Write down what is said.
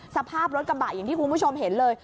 สภาพรถกระบะอย่างที่คุณผู้ชมเห็นเลย